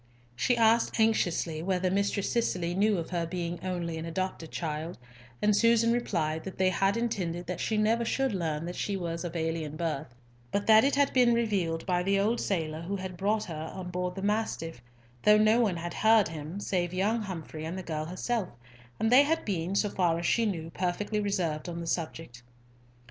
She asked anxiously whether Mistress Cicely knew of her being only an adopted child, and Susan replied that they had intended that she never should learn that she was of alien birth; but that it had been revealed by the old sailor who had brought her on board the Mastiff, though no one had heard him save young Humfrey and the girl herself, and they had been, so far as she knew, perfectly reserved on the subject.